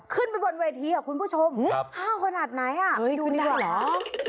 ขึ้นไปบนเวทีคุณผู้ชมห้าวขนาดไหนดูนี่ดีกว่า